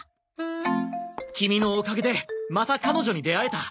キミのおかげでまた彼女に出会えた。